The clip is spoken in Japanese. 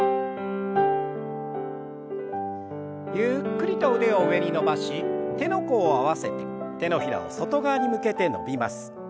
ゆっくりと腕を上に伸ばし手の甲を合わせて手のひらを外側に向けて伸びます。